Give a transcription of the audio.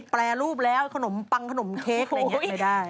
แปรรูปแล้วขนมปังขนมเค้กอุ๊ยไม่ได้